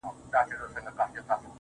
• پښتې ستري تر سترو، استثناء د يوې گوتي.